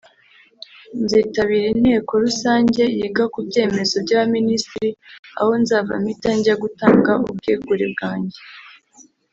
nzitabira inteko rusange yiga ku byemezo by’abaminisitiri aho nzava mpita njya gutanga ubwegure bwanjye